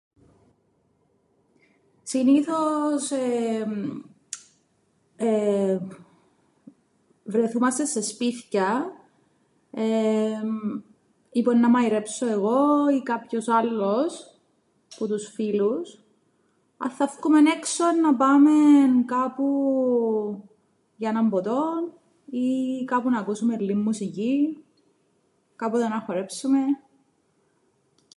Συνήθως εεεμ βρεθούμαστεν σε σπίθκια, εεε ή που εννά μαειρ΄εψω εγώ ή κάποιος άλλος που τους φίλους. Αν θα φκούμεν έξω εννά πάμεν κάπου για έναν ποτόν, ή κάπου να ακο΄υσουμεν λλίην μουσικήν, κάποτε να χορέψουμεν.